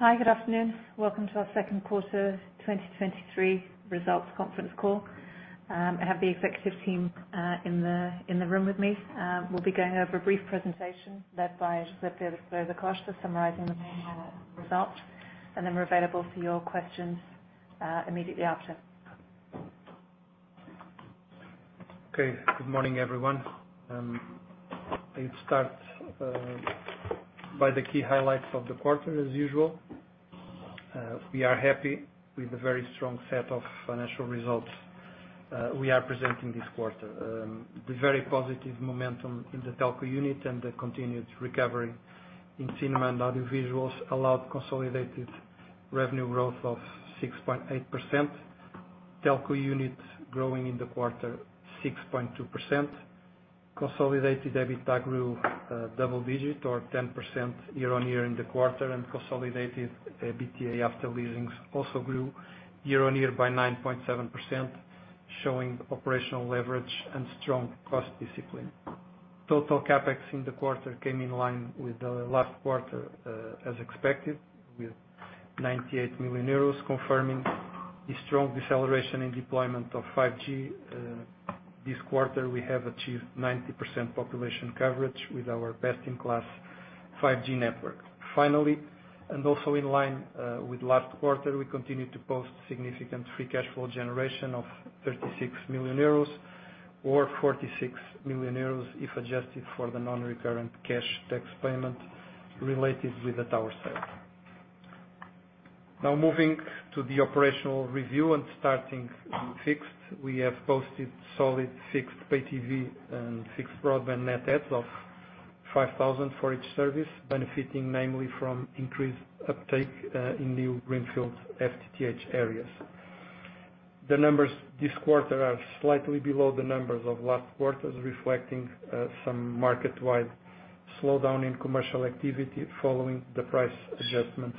Hi, good afternoon. Welcome to our second quarter, 2023 results conference call. I have the executive team in the room with me. We'll be going over a brief presentation led by José Pereira da Costa, summarizing the results, and then we're available for your questions immediately after. Okay. Good morning, everyone. Let's start by the key highlights of the quarter as usual. We are happy with the very strong set of financial results we are presenting this quarter. The very positive momentum in the Telco unit and the continued recovery in Cinema & Audiovisuais allowed consolidated revenue growth of 6.8%. Telco unit growing in the quarter 6.2%. Consolidated EBITDA grew double digit or 10% year-on-year in the quarter, and consolidated EBITDA after leasings also grew year-on-year by 9.7%, showing operational leverage and strong cost discipline. Total CapEx in the quarter came in line with the last quarter, as expected, with 98 million euros, confirming the strong deceleration in deployment of 5G. This quarter, we have achieved 90% population coverage with our best-in-class 5G network. Finally, also in line with last quarter, we continued to post significant free cash flow generation of 36 million euros or 46 million euros, if adjusted for the non-recurrent cash tax payment related with the tower sale. Now moving to the operational review and starting in Fixed, we have posted solid Fixed pay TV and Fixed broadband net adds of 5,000 for each service, benefiting mainly from increased uptake in new greenfield FTTH areas. The numbers this quarter are slightly below the numbers of last quarter's, reflecting some market-wide slowdown in commercial activity following the price adjustments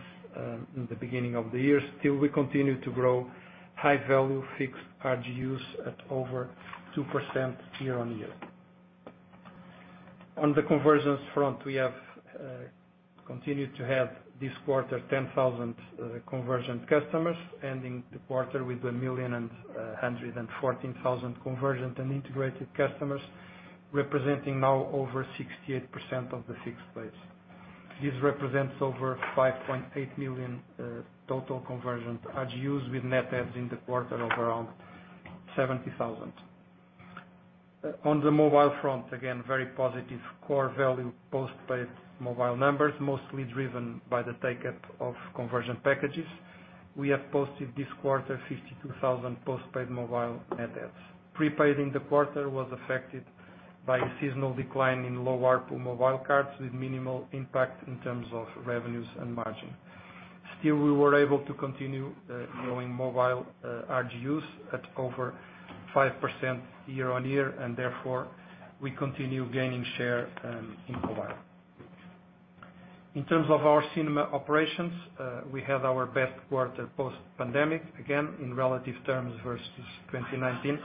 in the beginning of the year. Still, we continue to grow high-value Fixed ARPU at over 2% year-on-year. On the convergence front, we have continued to have this quarter, 10,000 convergent customers, ending the quarter with 1,114,000 convergent and integrated customers, representing now over 68% of the fixed base. This represents over 5.8 million total convergent ARPU with net adds in the quarter of around 70,000. On the mobile front, again, very positive core value post-paid mobile numbers, mostly driven by the take-up of conversion packages. We have posted this quarter, 52,000 post-paid mobile net adds. Prepaid in the quarter was affected by a seasonal decline in low ARPU mobile cards, with minimal impact in terms of revenues and margin. Still, we were able to continue growing mobile ARPU at over 5% year-on-year. Therefore, we continue gaining share in mobile. In terms of our cinema operations, we had our best quarter post-pandemic, again, in relative terms, versus 2019.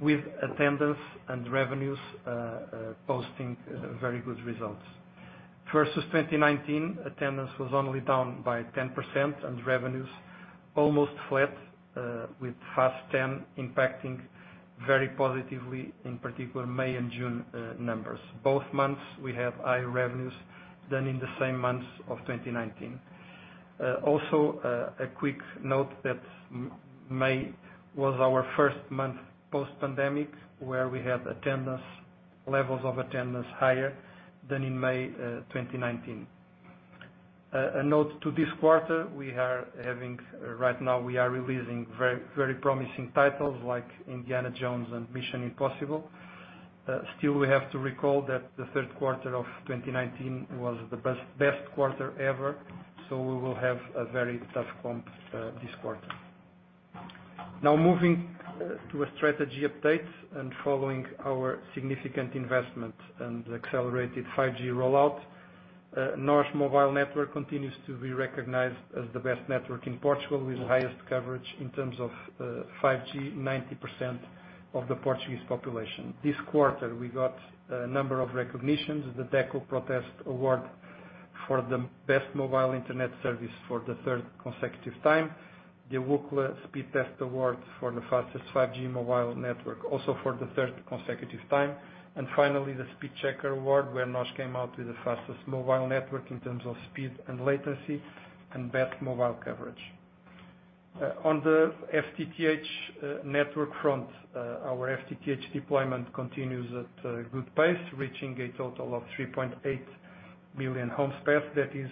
With attendance and revenues posting very good results. Versus 2019, attendance was only down by 10% and revenues almost flat, with Fast X impacting very positively, in particular, May and June numbers. Both months, we have higher revenues than in the same months of 2019. Also, a quick note that May was our first month post-pandemic, where we had levels of attendance higher than in May 2019. A note to this quarter, Right now, we are releasing very, very promising titles like Indiana Jones and Mission: Impossible. Still, we have to recall that the third quarter of 2019 was the best quarter ever, so we will have a very tough comp this quarter. Now moving to a strategy update and following our significant investment and accelerated 5G rollout, NOS Mobile Network continues to be recognized as the best network in Portugal, with the highest coverage in terms of 5G, 90% of the Portuguese population. This quarter, we got a number of recognitions, the DECO PROTESTE award for the best mobile internet service for the third consecutive time, the Ookla Speedtest award for the fastest 5G mobile network, also for the third consecutive time. Finally, the Speedchecker award, where NOS came out with the fastest mobile network in terms of speed and latency and best mobile coverage. On the FTTH network front, our FTTH deployment continues at a good pace, reaching a total of 3.8 million homes passed. That is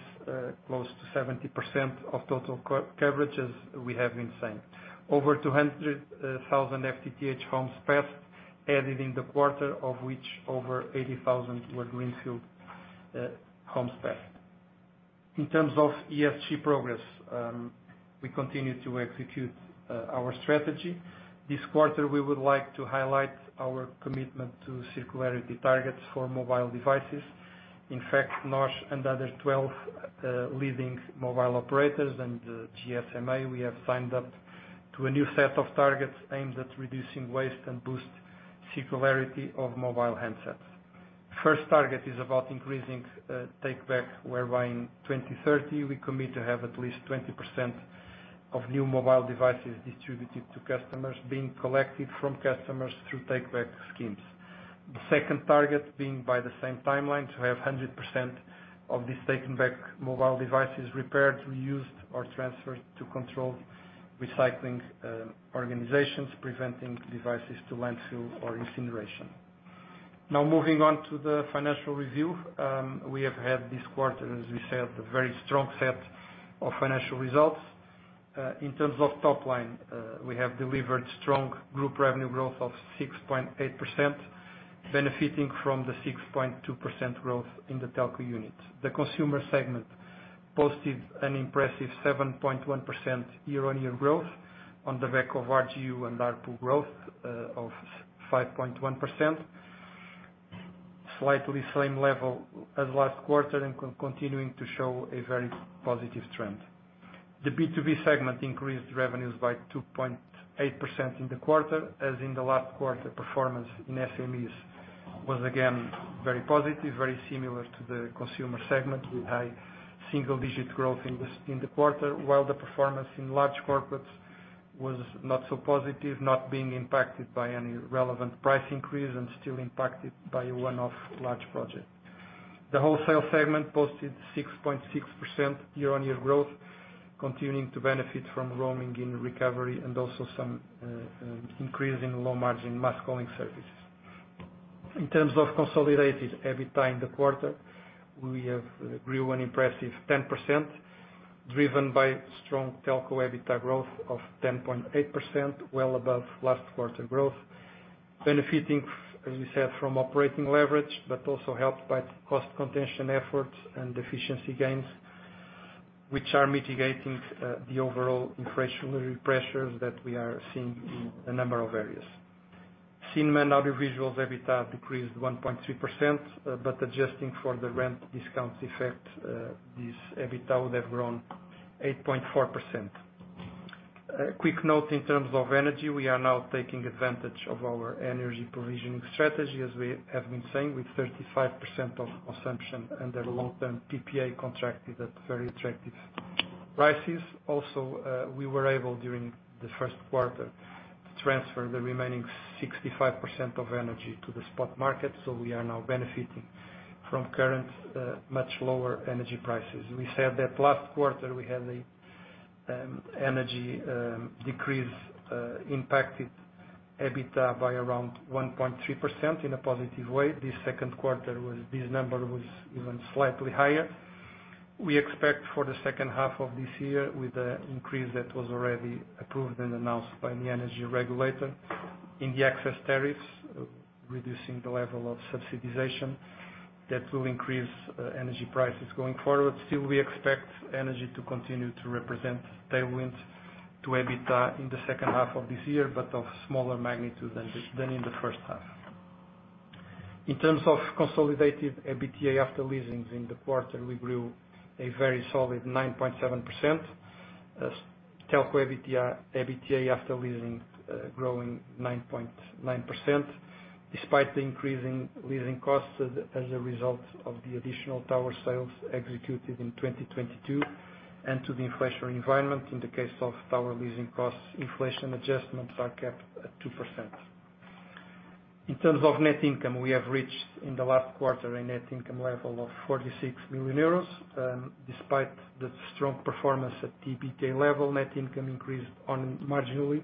close to 70% of total coverage, as we have been saying. Over 200,000 FTTH homes passed, added in the quarter, of which over 80,000 were greenfield homes passed. In terms of ESG progress, we continue to execute our strategy. This quarter, we would like to highlight our commitment to circularity targets for mobile devices. In fact, NOS and other 12 leading mobile operators and GSMA, we have signed up to a new set of targets aimed at reducing waste and circularity of mobile handsets. First target is about increasing take-back, whereby in 2030, we commit to have at least 20% of new mobile devices distributed to customers, being collected from customers through take-back schemes. The second target, being by the same timeline, to have 100% of these taken back mobile devices repaired, reused, or transferred to controlled recycling organizations, preventing devices to landfill or incineration. Moving on to the financial review. We have had this quarter, as we said, a very strong set of financial results. In terms of top line, we have delivered strong group revenue growth of 6.8%, benefiting from the 6.2% growth in the telco unit. The consumer segment posted an impressive 7.1% year-on-year growth on the back of RGU and ARPU growth of 5.1%. Slightly same level as last quarter and continuing to show a very positive trend. The B2B segment increased revenues by 2.8% in the quarter, as in the last quarter, performance in SMEs was again, very positive, very similar to the consumer segment, with a single-digit growth in the quarter, while the performance in large corporates was not so positive, not being impacted by any relevant price increase and still impacted by a one-off large project. The wholesale segment posted 6.6% year-on-year growth, continuing to benefit from roaming in recovery and also some increase in low-margin mass calling services. In terms of consolidated EBITDA in the quarter, we have grew an impressive 10%, driven by strong telco EBITDA growth of 10.8%, well above last quarter growth. Benefiting, as we said, from operating leverage, but also helped by cost contention efforts and efficiency gains, which are mitigating the overall inflationary pressures that we are seeing in a number of areas. Cine+ and Audiovisuais, EBITDA decreased 1.3%, but adjusting for the rent discount effect, this EBITDA would have grown 8.4%. Quick note in terms of energy, we are now taking advantage of our energy provisioning strategy, as we have been saying, with 35% of consumption under long-term PPA contracted at very attractive prices. We were able, during the first quarter, to transfer the remaining 65% of energy to the spot market, so we are now benefiting from current, much lower energy prices. We said that last quarter, we had a energy decrease impacted EBITDA by around 1.3% in a positive way. This second quarter was, this number was even slightly higher. We expect for the second half of this year, with the increase that was already approved and announced by the energy regulator in the access tariffs, reducing the level of subsidization, that will increase energy prices going forward. Still, we expect energy to continue to represent tailwind to EBITDA in the second half of this year, but of smaller magnitude than in the first half. In terms of consolidated EBITDA after leasings in the quarter, we grew a very solid 9.7%. As telco EBITDA after leasing, growing 9.9%, despite the increasing leasing costs as a result of the additional tower sales executed in 2022 and to the inflationary environment. In the case of tower leasing costs, inflation adjustments are capped at 2%. In terms of net income, we have reached, in the last quarter, a net income level of 46 million euros. Despite the strong performance at the EBITDA level, net income increased on marginally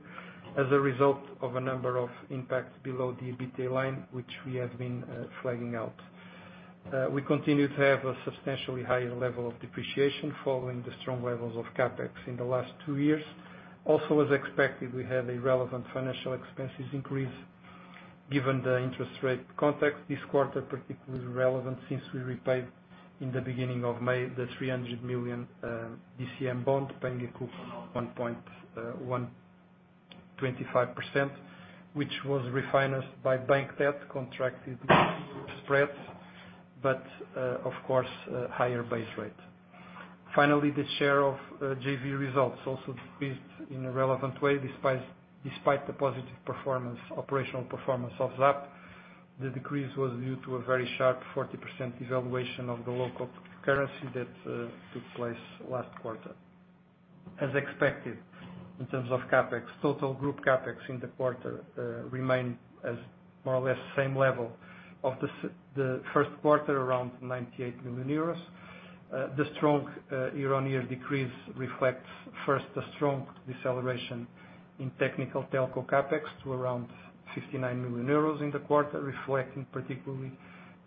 as a result of a number of impacts below the EBITDA line, which we have been flagging out. We continue to have a substantially higher level of depreciation following the strong levels of CapEx in the last two years. As expected, we had a relevant financial expenses increase, given the interest rate context this quarter, particularly relevant since we repaid in the beginning of May, the 300 million DCM bond, paying a coupon of 1.125%, which was refinanced by bank debt, contracted spreads, but of course, higher base rate. The share of JV results also decreased in a relevant way, despite the positive performance, operational performance of ZAP. The decrease was due to a very sharp 40% devaluation of the local currency that took place last quarter. In terms of CapEx, total group CapEx in the quarter remained as more or less the same level of the first quarter, around 98 million euros. The strong, year-on-year decrease reflects first, a strong deceleration in technical telco CapEx to around 59 million euros in the quarter, reflecting particularly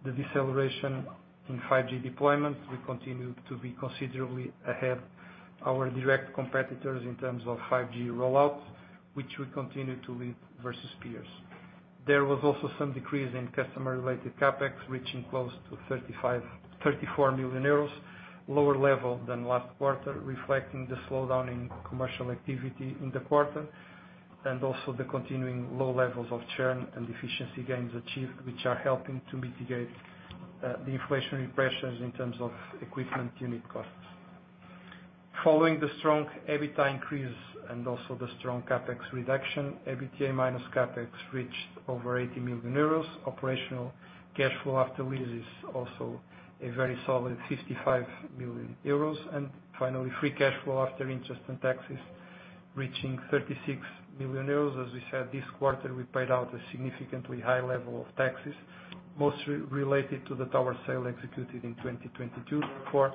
the deceleration in 5G deployment. We continue to be considerably ahead our direct competitors in terms of 5G rollout, which we continue to lead versus peers. There was also some decrease in customer-related CapEx, reaching close to 35 million euros, 34 million euros, lower level than last quarter, reflecting the slowdown in commercial activity in the quarter, and also the continuing low levels of churn and efficiency gains achieved, which are helping to mitigate the inflationary pressures in terms of equipment unit costs. Following the strong EBITDA increase and also the strong CapEx reduction, EBITDA minus CapEx reached over 80 million euros. Operational cash flow after lease is also a very solid 55 million euros. Finally, free cash flow after interest and taxes, reaching 36 million euros. As we said, this quarter, we paid out a significantly high level of taxes, mostly related to the tower sale executed in 2022. For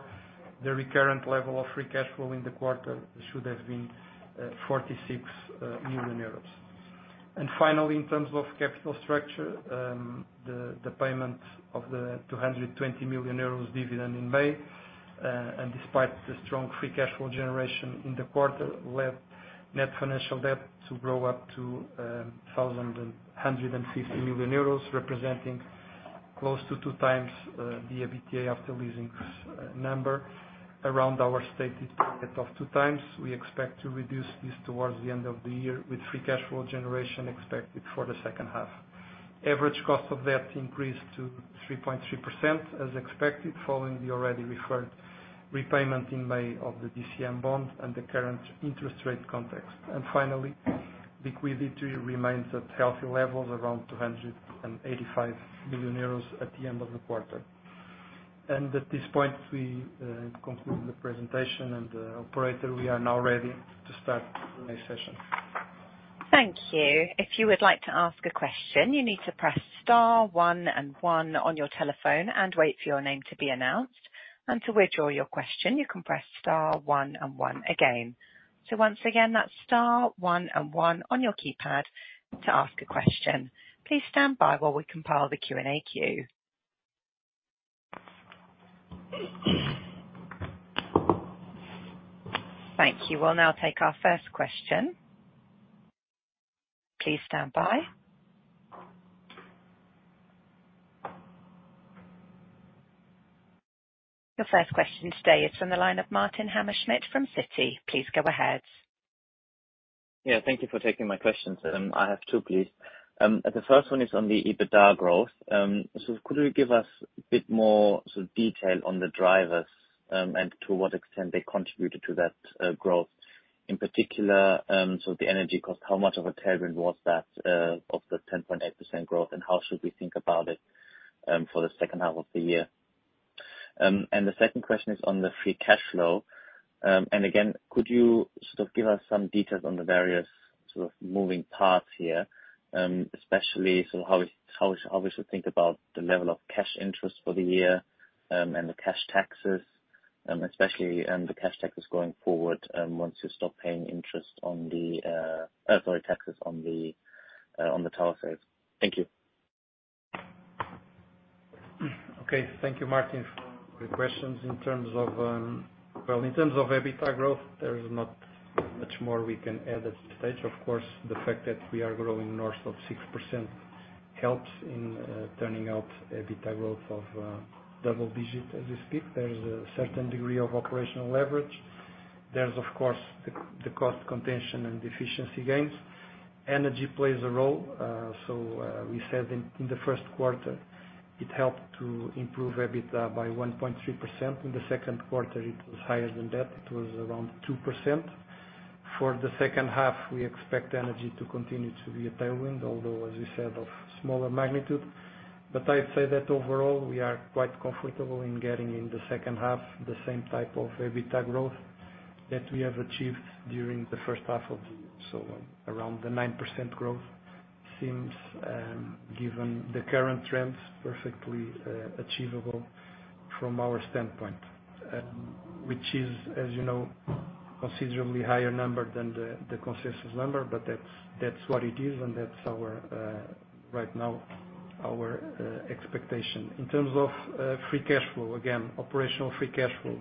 the recurrent level of free cash flow in the quarter should have been 46 million euros. Finally, in terms of capital structure, the payment of the 220 million euros dividend in May, and despite the strong free cash flow generation in the quarter, led net financial debt to grow up to 1,150 million euros, representing close to 2 times the EBITDA after leasing number around our stated target of 2 times. We expect to reduce this towards the end of the year, with free cash flow generation expected for the second half. Average cost of debt increased to 3.3% as expected, following the already referred repayment in May of the DCM bond and the current interest rate context. Finally, liquidity remains at healthy levels, around 285 million euros at the end of the quarter. At this point, we conclude the presentation, and operator, we are now ready to start the Q&A session. Thank you. If you would like to ask a question, you need to press star one and one on your telephone and wait for your name to be announced. To withdraw your question, you can press star one and one again. Once again, that's star one and one on your keypad to ask a question. Please stand by while we compile the Q&A queue. Thank you. We'll now take our first question. Please stand by. Your first question today is from the line of Martin Hammerschmidt from Citi. Please go ahead. Yeah, thank you for taking my questions. I have two, please. The first one is on the EBITDA growth. Could you give us a bit more sort of detail on the drivers, and to what extent they contributed to that growth, in particular, so the energy cost, how much of a tailwind was that of the 10.8% growth, and how should we think about it for the second half of the year? The second question is on the free cash flow. Again, could you sort of give us some details on the various sort of moving parts here, especially sort of how we should think about the level of cash interest for the year, and the cash taxes, especially, the cash taxes going forward, once you stop paying interest on the, sorry, taxes on the, on the tower sales. Thank you. Okay. Thank you, Martin, for the questions. In terms of, well, in terms of EBITDA growth, there is not much more we can add at this stage. Of course, the fact that we are growing north of 6% helps in turning out EBITDA growth of double digits as you speak. There is a certain degree of operational leverage. There's of course, the cost contention and the efficiency gains. Energy plays a role, so, we said in the first quarter, it helped to improve EBITDA by 1.3%. In the second quarter, it was higher than that. It was around 2%. For the second half, we expect energy to continue to be a tailwind, although, as we said, of smaller magnitude. I'd say that overall, we are quite comfortable in getting in the second half, the same type of EBITDA growth that we have achieved during the first half of the year. Around the 9% growth seems, given the current trends, perfectly achievable from our standpoint. Which is, as you know, considerably higher number than the consensus number, but that's what it is, and that's our right now, our expectation. In terms of free cash flow, again, operational free cash flow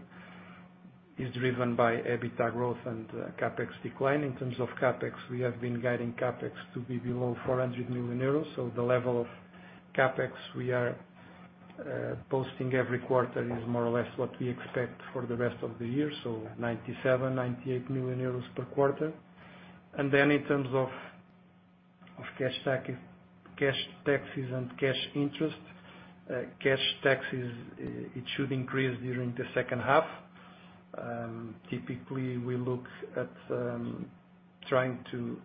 is driven by EBITDA growth and CapEx decline. In terms of CapEx, we have been guiding CapEx to be below 400 million euros. The level of CapEx we are posting every quarter is more or less what we expect for the rest of the year, 97 million-98 million euros per quarter. In terms of cash tax, cash taxes and cash interest, cash taxes, it should increase during the second half. Typically, we look at trying to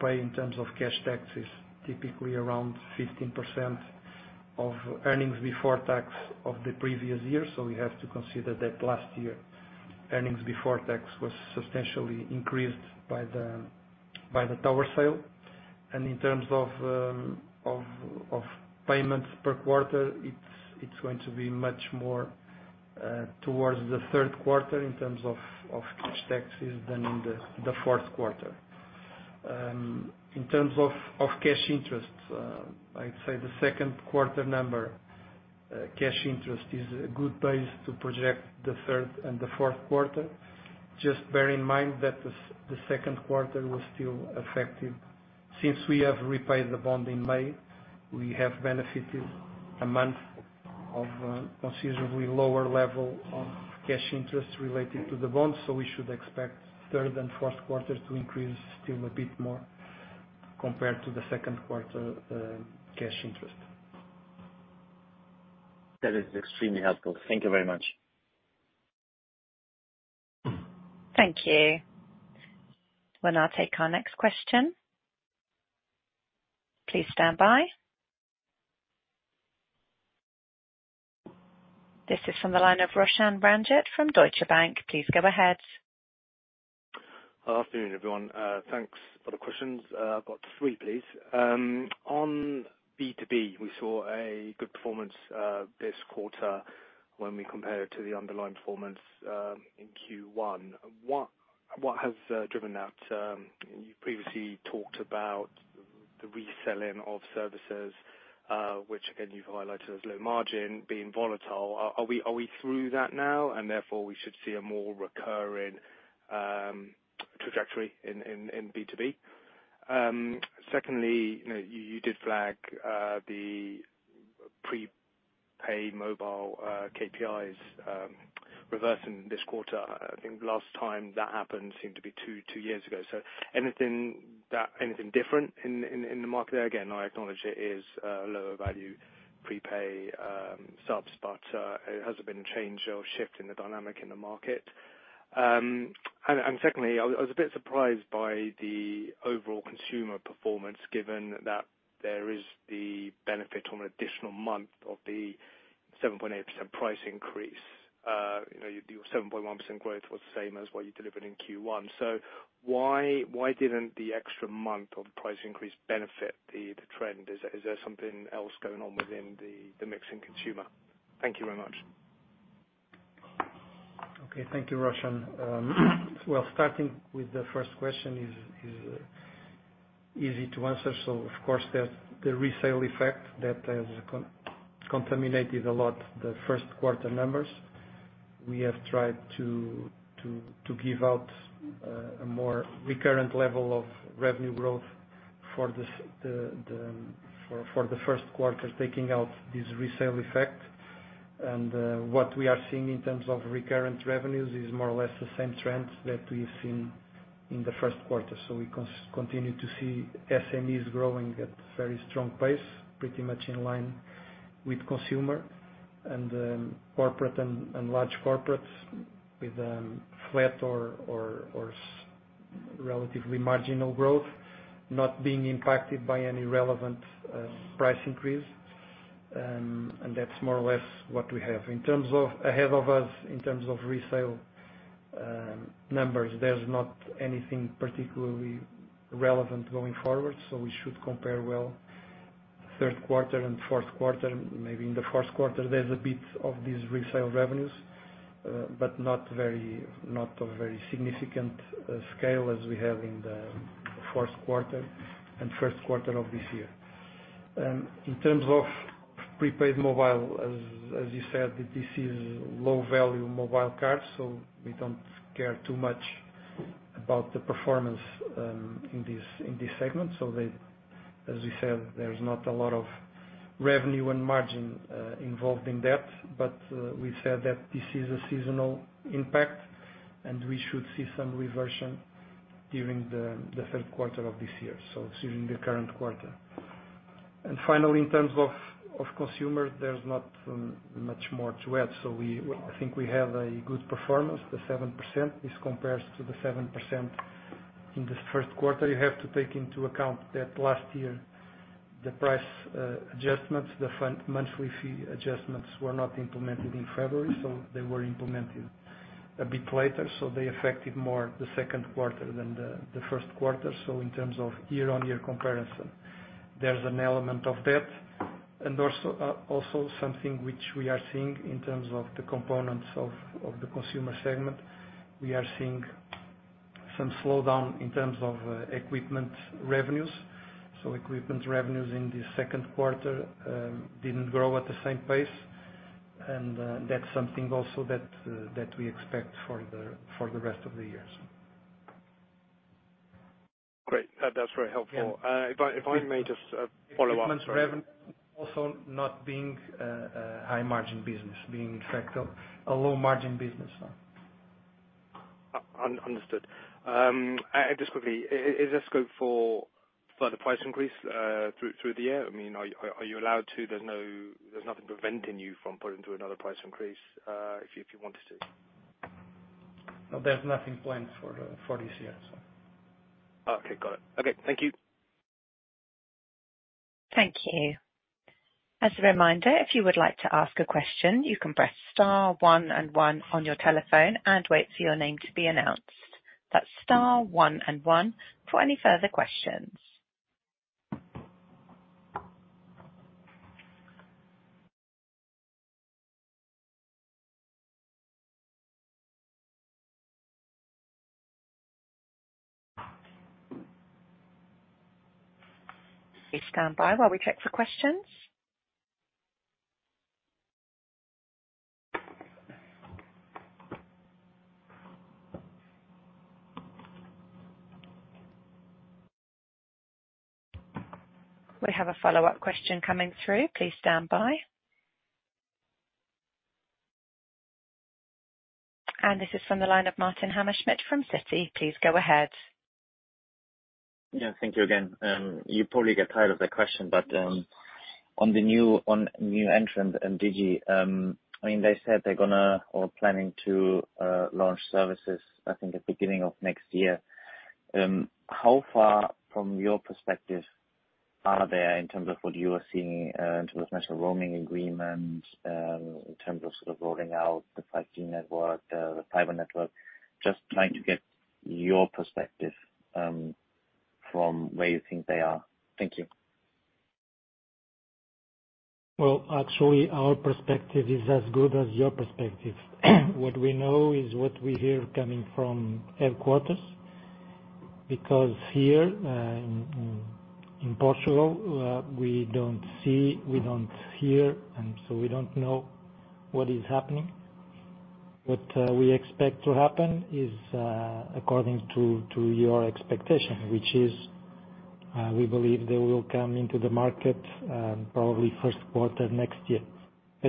pay in terms of cash taxes, typically around 15% of earnings before tax of the previous year, so we have to consider that last year, earnings before tax was substantially increased by the tower sale. In terms of payments per quarter, it's going to be much more towards the third quarter in terms of cash taxes than in the fourth quarter. In terms of cash interest, I'd say the second quarter number, cash interest is a good base to project the third and the fourth quarter. Just bear in mind that the second quarter was still affected. Since we have repaid the bond in May, we have benefited a month of, considerably lower level of cash interest related to the bond. We should expect third and first quarters to increase still a bit more compared to the second quarter, cash interest. That is extremely helpful. Thank you very much. Thank you. We'll now take our next question. Please stand by. This is from the line of Roshan Ranjit from Deutsche Bank. Please go ahead. Good afternoon, everyone. Thanks for the questions. I've got three, please. On B2B, we saw a good performance this quarter when we compare it to the underlying performance in Q1. What has driven that? You previously talked about the reselling of services, which again, you've highlighted as low margin being volatile. Are we through that now, and therefore we should see a more recurring trajectory in B2B? Secondly, you know, you did flag the prepaid mobile KPIs reversing this quarter. I think last time that happened seemed to be two years ago. Anything different in the market? Again, I acknowledge it is a lower value prepaid subs, but has there been a change or shift in the dynamic in the market? Secondly, I was a bit surprised by the overall consumer performance, given that there is the benefit on an additional month of the 7.8% price increase. You know, your 7.1% growth was the same as what you delivered in Q1. Why didn't the extra month of price increase benefit the trend? Is there something else going on within the mixing consumer? Thank you very much. Thank you, Roshan. Starting with the first question, is easy to answer. Of course, there's the resale effect that has contaminated a lot, the first quarter numbers. We have tried to give out a more recurrent level of revenue growth for this, the first quarter, taking out this resale effect. What we are seeing in terms of recurrent revenues is more or less the same trend that we've seen in the first quarter. We continue to see SMEs growing at a very strong pace, pretty much in line with consumer and corporate and large corporates with flat or relatively marginal growth, not being impacted by any relevant price increase. That's more or less what we have. In terms of ahead of us, in terms of resale, numbers, there's not anything particularly relevant going forward, so we should compare well third quarter and fourth quarter. Maybe in the first quarter, there's a bit of these resale revenues, but not very, not a very significant scale as we have in the fourth quarter and first quarter of this year. In terms of prepaid mobile, as you said, this is low-value mobile cards, so we don't care too much about the performance in this, in this segment. They, as we said, there's not a lot of revenue and margin involved in that, but we said that this is a seasonal impact, and we should see some reversion during the third quarter of this year, so it's in the current quarter. Finally, in terms of consumer, there's not much more to add. I think we have a good performance. The 7% is compared to the 7% in this first quarter. You have to take into account that last year, the price adjustments, the front monthly fee adjustments were not implemented in February, they were implemented a bit later, they affected more the second quarter than the first quarter. In terms of year-on-year comparison, there's an element of that. Also, something which we are seeing in terms of the components of the consumer segment, we are seeing some slowdown in terms of equipment revenues. Equipment revenues in the second quarter didn't grow at the same pace, and that's something also that we expect for the rest of the years. Great. That, that's very helpful. Yeah. If I may just follow up. Equipment revenue also not being, a high margin business, being in fact, a low margin business. Understood. Just quickly, is there scope for further price increase through the year? I mean, are you allowed to, there's nothing preventing you from putting through another price increase if you wanted to? No, there's nothing planned for the, for this year, so. Okay, got it. Okay, thank you. Thank you. As a reminder, if you would like to ask a question, you can press star one and one on your telephone and wait for your name to be announced. That's star one and one for any further questions. Please stand by while we check for questions. We have a follow-up question coming through. Please stand by. This is from the line of Martin Hammerschmidt from Citi. Please go ahead. Yeah, thank you again. You probably get tired of the question, on the new, on new entrant, Digi, they said they're gonna or planning to launch services, I think at beginning of next year. How far from your perspective, are they in terms of what you are seeing, in terms of national roaming agreement, in terms of sort of rolling out the network, the private network? Just trying to get your perspective, from where you think they are. Thank you. Well, actually, our perspective is as good as your perspective. What we know is what we hear coming from headquarters, because here, in Portugal, we don't see, we don't hear, and so we don't know what is happening. What we expect to happen is, according to your expectation, which is, we believe they will come into the market, probably first quarter of next year.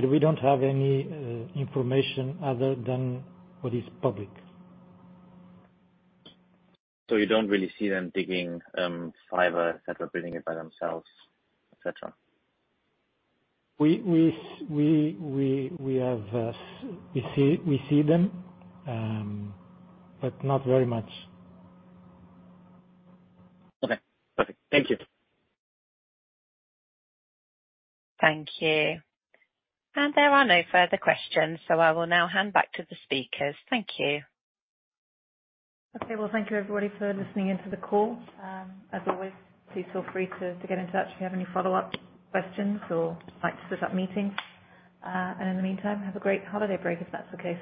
We don't have any information other than what is public. You don't really see them digging, fiber, et cetera, building it by themselves, et cetera? We have we see them, but not very much. Okay. Perfect. Thank you. Thank you. There are no further questions, so I will now hand back to the speakers. Thank you. Okay, well, thank you, everybody, for listening in to the call. As always, please feel free to get in touch if you have any follow-up questions or like to set up meetings. In the meantime, have a great holiday break, if that's the case.